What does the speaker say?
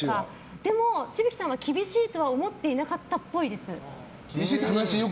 でも紫吹さんは厳しいとは思っていなかったっぽいです。